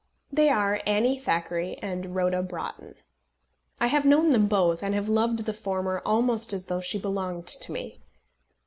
They are Annie Thackeray and Rhoda Broughton. I have known them both, and have loved the former almost as though she belonged to me.